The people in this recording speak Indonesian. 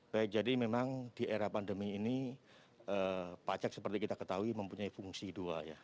baik jadi memang di era pandemi ini pajak seperti kita ketahui mempunyai fungsi dua ya